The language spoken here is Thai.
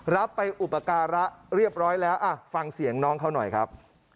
รับไปอุปการะเรียบร้อยแล้วฟังเสียงน้องเขาหน่อยครับ